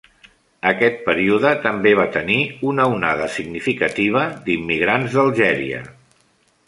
Aquest període també va tenir una onada significativa d'immigrants d'Algèria.